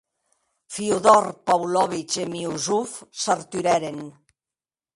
Fiódor Pávlovich e Miusov s'arturèren.